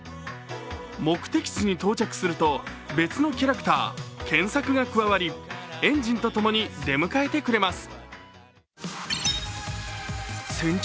目的地に到着すると別のキャラクター、けんさくが加わりえんじんとともに出迎えてくれます。